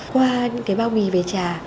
qua những cái bao bì về trà